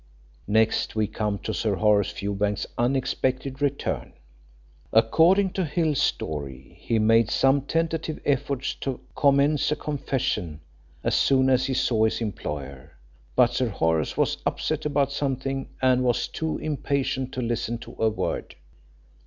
Next, we come to Sir Horace Fewbanks's unexpected return. According to Hill's story, he made some tentative efforts to commence a confession as soon as he saw his employer, but Sir Horace was upset about something and was too impatient to listen to a word.